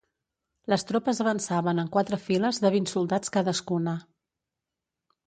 Les tropes avançaven en quatre files de vint soldats cadascuna.